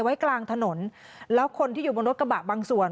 ไว้กลางถนนแล้วคนที่อยู่บนรถกระบะบางส่วน